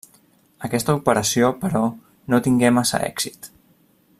Aquesta operació, però, no tingué massa èxit.